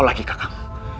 kau sudah terbunuh